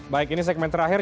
baik ini segmen terakhir